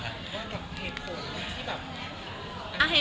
เพราะแบบเหตุผลที่แบบ